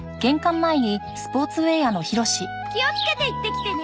気をつけて行ってきてね。